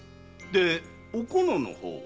でおこのの方は？